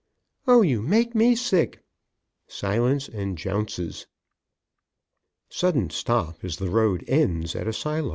"Oh, you make me sick!" Silence and jounces. Sudden stop as the road ends at a silo.